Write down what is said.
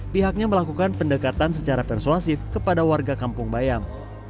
pihaknya melakukan pendekatan secara persuasif kepada warga kampung bayam